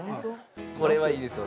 これはいいですよ。